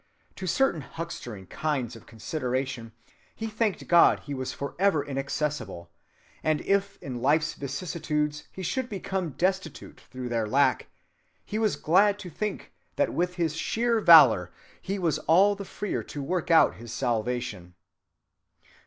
To certain huckstering kinds of consideration he thanked God he was forever inaccessible, and if in life's vicissitudes he should become destitute through their lack, he was glad to think that with his sheer valor he was all the freer to work out his salvation.